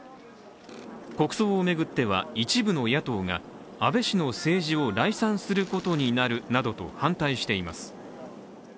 国葬を巡っては、一部の野党が安倍氏の政治を礼賛することになるなどと反対しています。